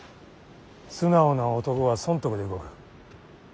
素直な男は損得で動く。